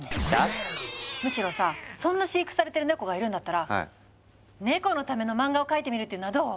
むしろさそんな飼育されてるネコがいるんだったらネコのための漫画を描いてみるっていうのはどう？